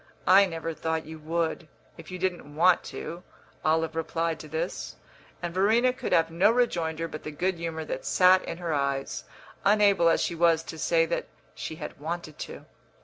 "I never thought you would, if you didn't want to," Olive replied to this; and Verena could have no rejoinder but the good humour that sat in her eyes, unable as she was to say that she had wanted to.